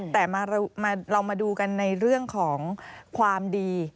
แต่เรามาดูกันในเรื่องของความดี